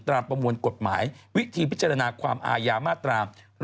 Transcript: ประมวลกฎหมายวิธีพิจารณาความอายามาตรา